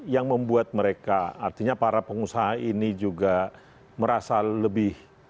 yang membuat mereka artinya para pengusaha ini juga merasa lebih